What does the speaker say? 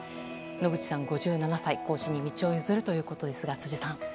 野口さん、５７歳後進に道を譲るということですが辻さん。